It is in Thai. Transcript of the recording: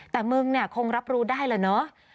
แต่มึงคงรับรู้ได้แล้วเนอะ